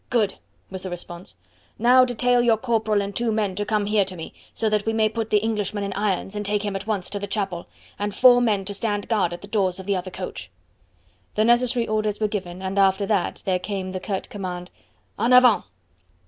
"Good!" was the response. "Now detail your corporal and two men to come here to me, so that we may put the Englishman in irons, and take him at once to the chapel, and four men to stand guard at the doors of the other coach." The necessary orders were given, and after that there came the curt command: "En avant!"